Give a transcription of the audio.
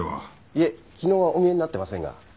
いえ昨日はお見えになってませんが。